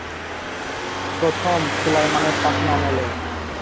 প্রথম সুলাইমানের শাসনামলে।